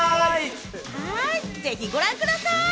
はい、ぜひご覧ください。